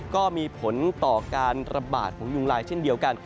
ก็มีผลต่อการระบาดของยุงลายเช่นเดียวกัน